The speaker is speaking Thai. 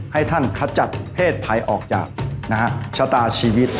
ให้ท่านขจัดเพศไพรออกจากนะครับชะตาชีวิต